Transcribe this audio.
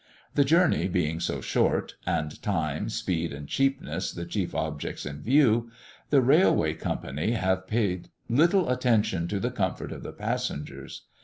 The journeys being so short, and time, speed, and cheapness the chief objects in view, the railway company have paid little attention to the comfort of the passengers.